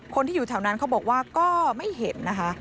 คนที่อยู่แถวนั้นเขาบอกว่าก็ไม่เห็นนะคะ